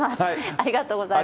ありがとうございます。